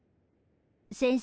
先生。